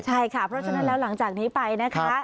ใช่ค่ะเพราะฉะนั้นแล้วหลังจากนี้ไปนะคะ